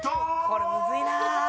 これむずいな。